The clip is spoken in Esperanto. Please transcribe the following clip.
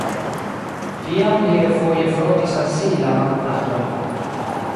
Tiam li refoje frotis al si la manplatojn.